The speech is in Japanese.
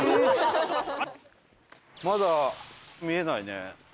まだ見えないね。